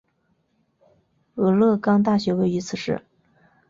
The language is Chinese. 俄勒冈大学位于此市。